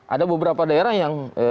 ada beberapa daerah yang